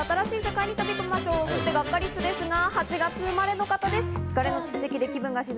そしてガッカりすですが、８月生まれの方です。